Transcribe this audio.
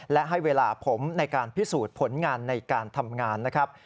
และให้เวลาผมในการพิสูจน์ผลงานในการทำงานนะครับ